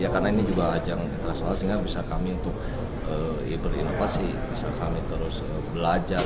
karena ini juga ajang internasional sehingga bisa kami untuk berinovasi bisa kami terus belajar